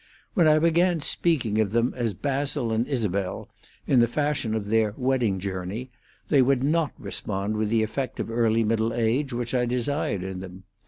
When I began speaking of them as Basil and Isabel, in the fashion of 'Their Wedding Journey,' they would not respond with the effect of early middle age which I desired in them.